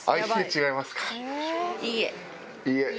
違いますか。